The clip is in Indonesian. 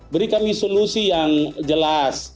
beri kami solusi yang jelas